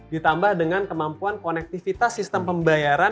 ditambah dengan kemampuan konektivitas sistem pembayaran